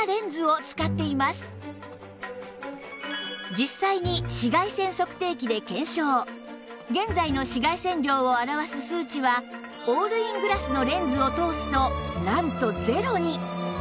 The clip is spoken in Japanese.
実際に現在の紫外線量を表す数値はオールイングラスのレンズを通すとなんとゼロに！